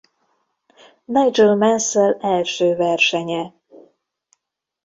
Nigel Mansell első versenye.